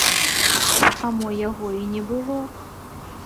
А мо яго і не было?